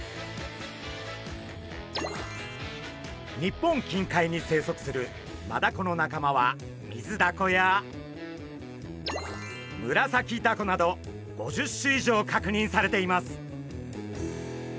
日本近海に生息するマダコの仲間はミズダコやムラサキダコなど５０種以上確認されています。